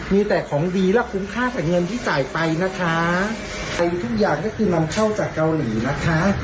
มีแต่ของดีและคุ้มค่ากับเงินที่จ่ายไปนะคะเป็นทุกอย่างก็คือนำเข้าจากเกาหลีนะคะ